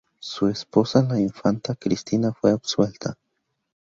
Su esposa, la infanta Cristina fue absuelta.